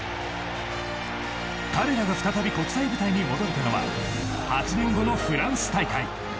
彼らが再び国際舞台に戻れたのは８年後のフランス大会。